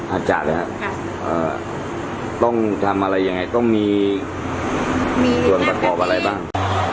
อาจารย์เลยครับต้องทำอะไรยังไงต้องมีส่วนประกอบอะไรบ้าง